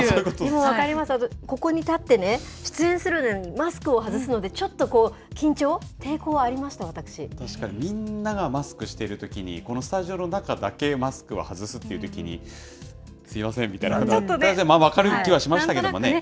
ここに立ってね、出演するのにマスクを外すので、ちょっとこう、緊張、抵抗ありま確かに、みんながマスクしてるときに、このスタジオの中だけマスクを外すというときに、すみませんみたいな感じで、ちょっと分かる気はしましたけどね。